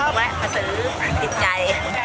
ของน้อยมาซื้อดินใจ